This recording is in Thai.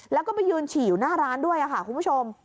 แล้วก็ไปยืนฉี่อยู่หน้าร้านด้วยค่ะคุณผู้ชม